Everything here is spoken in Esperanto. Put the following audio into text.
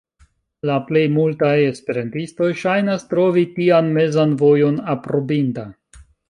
La plej multaj esperantistoj ŝajnas trovi tian mezan vojon aprobinda.